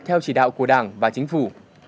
theo chỉ đạo của đảng và chính phủ